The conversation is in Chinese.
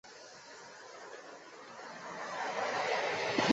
这些红色物质也覆盖了中心环的南半部。